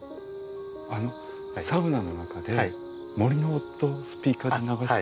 あのサウナの中で森の音スピーカーで流れてた。